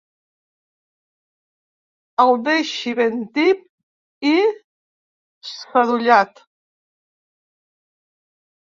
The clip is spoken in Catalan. El deixi ben tip i sadollat.